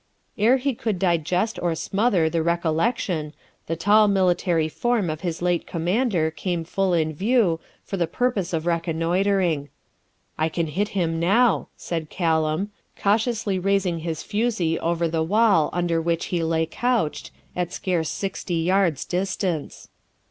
Ere he could digest or smother the recollection, the tall military form of his late commander came full in view, for the purpose of reconnoitring. 'I can hit him now,' said Callum, cautiously raising his fusee over the wall under which he lay couched, at scarce sixty yards' distance.